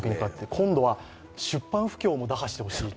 今度は出版不況も打破してほしいと。